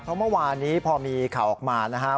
เพราะเมื่อวานนี้พอมีข่าวออกมานะครับ